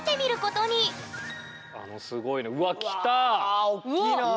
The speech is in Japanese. うわおっきいな！